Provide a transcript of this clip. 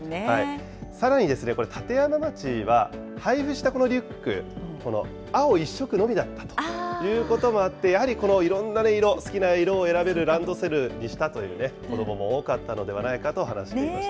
さらに、立山町は、配布したこのリュック、青１色のみだったということもあって、やはりこのいろんな色、好きな色を選べるランドセルにしたという子どもも多かったのではないかと話していました。